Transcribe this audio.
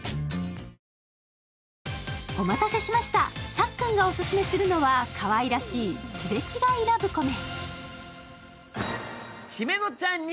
さっくんがオススメするのはかわいらしいすれ違いラブコメ。